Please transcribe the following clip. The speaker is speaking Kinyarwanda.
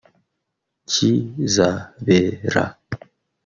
Kizabera